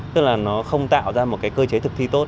tức là nó không tạo ra một cái cơ chế thực thi tốt